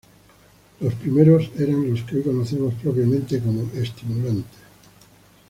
Los primeros eran los que hoy conocemos propiamente como estimulantes.